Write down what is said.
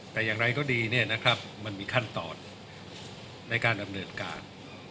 แต่อย่างไรก็ดีมันมีขั้นตอนในการดำเนินการ